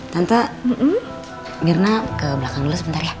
tante mirna ke belakang dulu sebentar ya